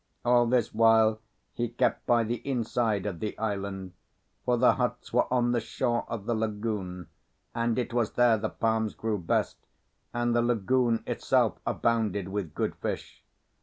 All this while he kept by the inside of the island, for the huts were on the shore of the lagoon, and it was there the palms grew best, and the lagoon itself abounded with good fish.